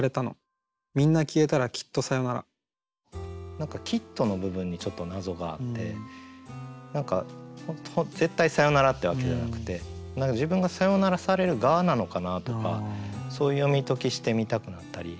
何か「きつと」の部分にちょっと謎があって絶対さよならってわけじゃなくて自分がさよならされる側なのかなとかそういう読み解きしてみたくなったり。